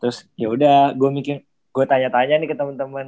terus yaudah gue tanya tanya nih ke temen temen